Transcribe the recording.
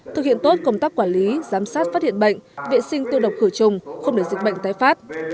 thực hiện tốt công tác quản lý giám sát phát hiện bệnh vệ sinh tiêu độc khử trùng không để dịch bệnh tái phát